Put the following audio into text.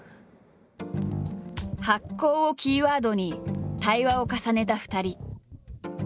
「発酵」をキーワードに対話を重ねた２人。